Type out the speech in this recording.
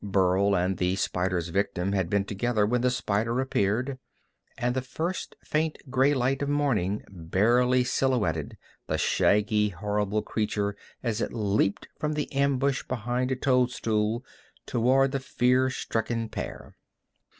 Burl and the spider's victim had been together when the spider appeared, and the first faint gray light of morning barely silhouetted the shaggy, horrible creature as it leaped from ambush behind a toadstool toward the fear stricken pair.